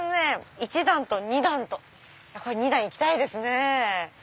１段と２段これ２段行きたいですね。